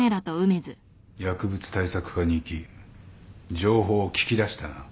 薬物対策課に行き情報を聞き出したな。